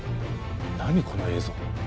何この映像。